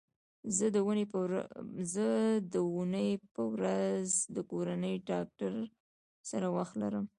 زه د دونۍ په ورځ د کورني ډاکټر سره وخت لرم